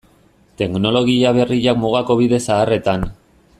Teknologia berriak mugako bide zaharretan.